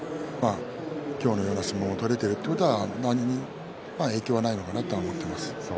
今日のような相撲を取れているということは影響はないのかなと思っています。